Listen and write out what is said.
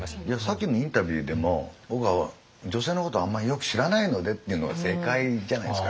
さっきのインタビューでも「僕は女性のことはあんまりよく知らないので」っていうのが正解じゃないですかやっぱ。